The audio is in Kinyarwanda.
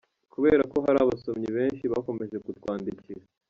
Kubera ko hari abasomyi benshi bakomeje kutwandikira .